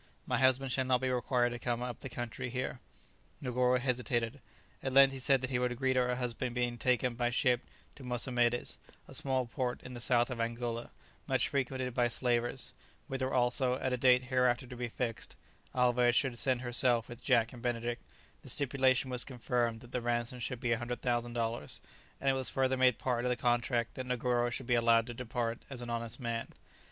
My husband shall not be required to come up the country here." Negoro hesitated; at length he said that he would agree to her husband being taken by ship to Mossamedes, a small port in the south of Angola, much frequented by slavers, whither also, at a date hereafter to be fixed, Alvez should send herself with Jack and Benedict; the stipulation was confirmed that the ransom should be 100,000 dollars, and it was further made part of the contract that Negoro should be allowed to depart as an honest man.